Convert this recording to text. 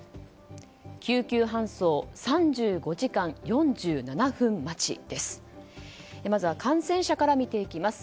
救急搬送３５時間４７分待ちです。